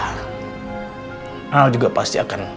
kamu juga pasti akan